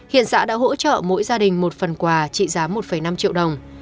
hiện xã đã hỗ trợ mỗi gia đình một phần quà trị giá một năm triệu đồng